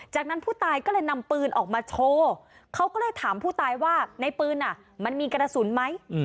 จากนั้นผู้ตายก็เลยนำปืนออกมาโชว์เขาก็เลยถามผู้ตายว่าในปืนมันมีกระสุนไหม